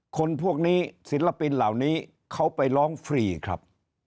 คนพวกนี้ศิลปินเหล่านี้เขาไปร้องฟรีครับ